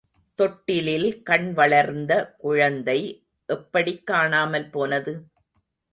தொட்டிலில் கண்வளர்ந்த குழந்தை எப்படிக் காணாமல் போனது?